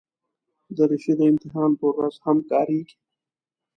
دریشي د امتحان پر ورځ هم کارېږي.